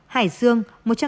hải dương một trăm tám mươi một